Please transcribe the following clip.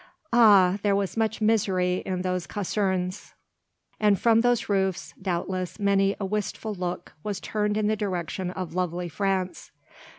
Ah! there was much misery in those casernes; and from those roofs, doubtless, many a wistful look was turned in the direction of lovely France.